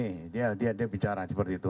ini dia bicara seperti itu